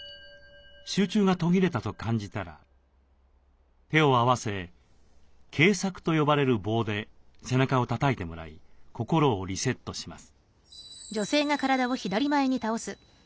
集中が途切れたと感じたら手を合わせ警策と呼ばれる棒で背中をたたいてもらい心をリセットします。